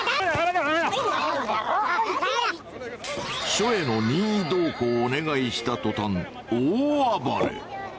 署への任意同行をお願いしたとたん大暴れ。